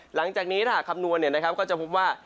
หลังจากนี้ถ้าหากคำนวณก็จะพบว่า